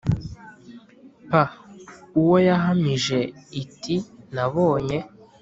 P uwo yahamije iti nabonye